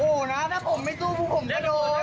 โอ้นะถ้าผมไม่สู้ผมจะโดด